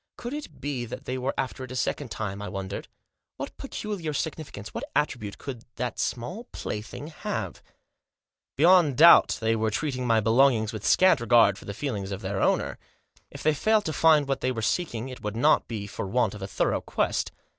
Could it be that they were after it a second time. I wondered. What peculiar significance, what attribute, could that small plaything have ? Beyond doubt they were treating my belongings with scant regard for the feelings of their owner ? If they failed to find what they were seeking it would not be for want of a thorough quest.